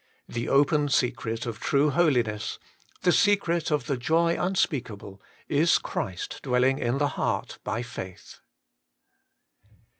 The open secret of true holiness, the secret of the joy unspeakable, is Christ dwelling in the heart by faith.